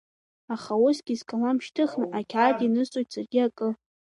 Аха усгьы скалам шьҭыхны, ақьаад ианысҵоит саргьы акы…